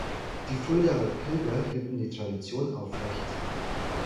Die Fuldaer Pilger erhielten die Tradition aufrecht.